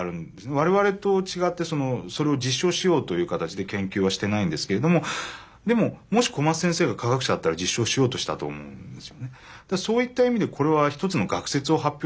我々と違ってそれを実証しようという形で研究はしてないんですけれどもでももし小松先生が科学者だったら実証しようとしたと思うんですよね。